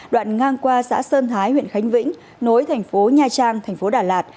đoạn ngang qua xã sơn thái huyện khánh vĩnh nối thành phố nha trang thành phố đà lạt